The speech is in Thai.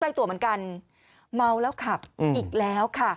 ใกล้ตัวเหมือนกันเมาแล้วขับอีกแล้วค่ะ